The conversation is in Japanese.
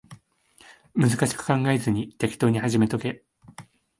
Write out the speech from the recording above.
難しく考えずに適当に始めとけ